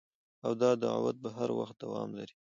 او دا دعوت به هر وخت دوام لري